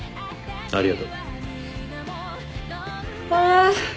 ありがとう。あ。